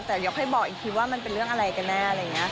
แต่เดี๋ยวค่อยบอกอีกทีว่ามันเป็นเรื่องอะไรกันแน่